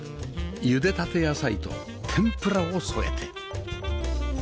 茹でたて野菜と天ぷらを添えて